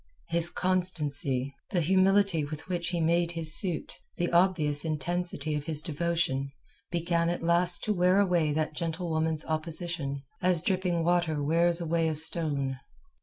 His constancy, the humility with which he made his suit, the obvious intensity of his devotion, began at last to wear away that gentlewoman's opposition, as dripping water wears away a stone.